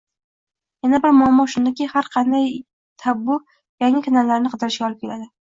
Yana bir muammo shundaki, har qanday tabu yangi kanallarni qidirishga olib keladi